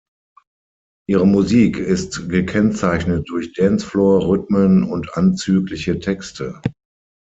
Ihre Musik ist gekennzeichnet durch Dancefloor-Rhythmen und anzügliche Texte.